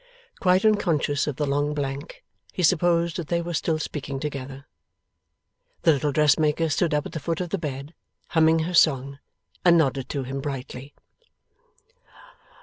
Quite unconscious of the long blank, he supposed that they were still speaking together. The little dressmaker stood up at the foot of the bed, humming her song, and nodded to him brightly.